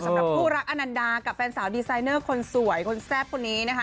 สำหรับคู่รักอนันดากับแฟนสาวดีไซเนอร์คนสวยคนแซ่บคนนี้นะคะ